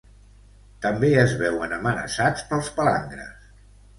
També es veuen amenaçats pels palangres.